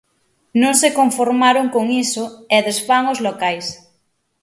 Non se conformaron con iso e desfan os locais.